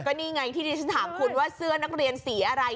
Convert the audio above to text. นี่ไงที่ดิฉันถามคุณว่าเสื้อนักเรียนสีอะไร